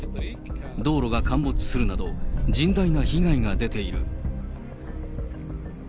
道路が陥没するなど、甚大な被害が出ている。